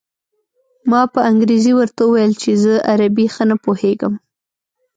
ما په انګرېزۍ ورته وویل چې زه عربي ښه نه پوهېږم.